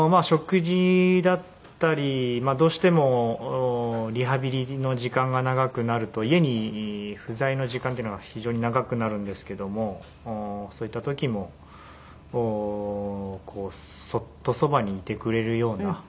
食事だったりどうしてもリハビリの時間が長くなると家に不在の時間っていうのが非常に長くなるんですけどもそういった時もそっとそばにいてくれるような。